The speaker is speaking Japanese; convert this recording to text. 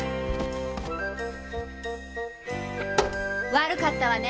悪かったわね